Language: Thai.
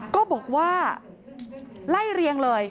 ก็บอกว่าไล่เรียงเลย